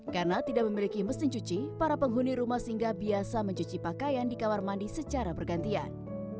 karena tidak memiliki mesin cuci para penghuni rumah singga biasa mencuci pakaian di kamar mandi secara bergantian